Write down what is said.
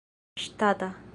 ŝtata